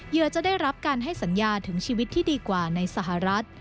จะได้รับการให้สัญญาถึงชีวิตที่ดีกว่าในสหรัฐ